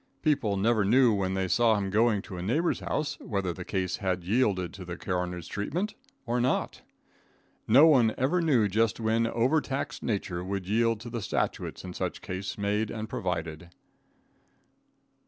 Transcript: People never knew when they saw him going to a neighbor's house, whether the case had yielded to the coroner's treatment or not. No one ever knew just when over taxed nature would yield to the statutes in such case made and provided.